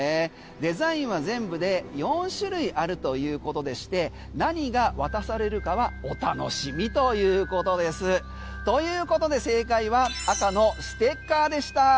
デザインは全部で４種類あるということでして何が渡されるかはお楽しみということです。ということで正解は赤のステッカーでした。